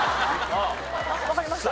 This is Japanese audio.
わかりました。